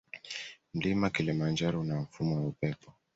Mlima kilimanjaro una mfumo wa upepo